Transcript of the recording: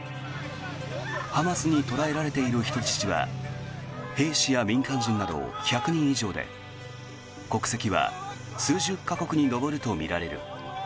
ハマスに捕らえられている人質は兵士や民間人など１００人以上で国籍は数十か国に上るとみられる。